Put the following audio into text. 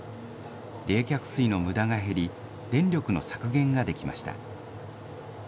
冷却水のむだが減り、電力の削減ができました。